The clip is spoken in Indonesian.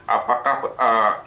apakah nantinya pembukaan israel